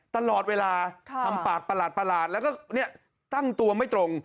ตลอดเวลาค่ะทำปากประหลาดประหลาดแล้วก็เนี่ยตั้งตัวไม่ตรง